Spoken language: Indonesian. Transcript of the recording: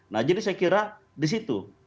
nah jadi saya kira di situ